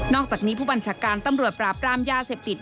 อกจากนี้ผู้บัญชาการตำรวจปราบรามยาเสพติด